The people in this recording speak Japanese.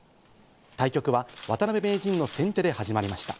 対局は渡辺名人の先手で始まりました。